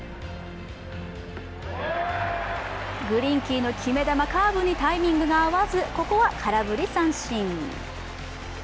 グリンキーのカーブにタイミングが合わずここは空振り三振。